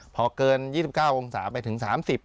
พอเกิน๒๙องศาไปถึง๓๐